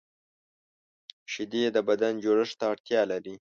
شیدې د بدن جوړښت ته اړتیا لري